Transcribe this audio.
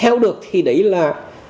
theo được thì đấy là